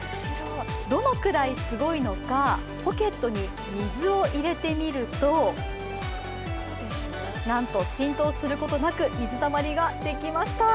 どのくらいすごいのかポケットに水を入れてみるとなんと浸透することなく、水たまりができました。